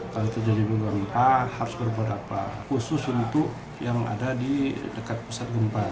kalau terjadi gempa harus beberapa khusus untuk yang ada di dekat pusat gempa